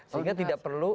sehingga tidak perlu